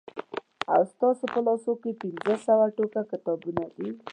اوس ستاسو په لاسو کې پنځه سوه ټوکه کتابونه دي.